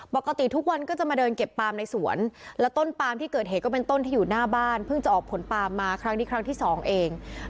ปกติทุกวันก็จะมาเดินเก็บปลามในสวนแล้วต้นปามที่เกิดเหตุก็เป็นต้นที่อยู่หน้าบ้านเพิ่งจะออกผลปาล์มมาครั้งนี้ครั้งที่สองเอง